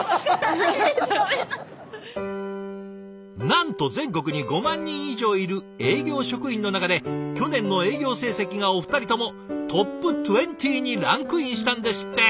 なんと全国に５万人以上いる営業職員の中で去年の営業成績がお二人ともトップ２０にランクインしたんですって。